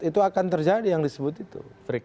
itu akan terjadi yang disebut itu